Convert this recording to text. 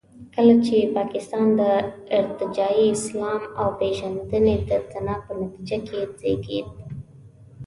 کله چې پاکستان د ارتجاعي اسلام او پیرنګۍ د زنا په نتیجه کې وزېږېد.